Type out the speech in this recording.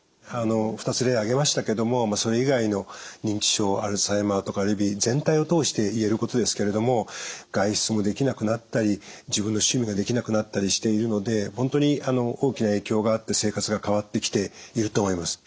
２つ例挙げましたけどもそれ以外の認知症アルツハイマーとかレビー全体を通して言えることですけれども外出もできなくなったり自分の趣味ができなくなったりしているので本当に大きな影響があって生活が変わってきていると思います。